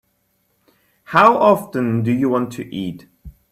How often do you want to eat?